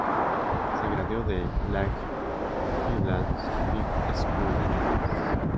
Se graduó de Lake Highlands High School en Dallas.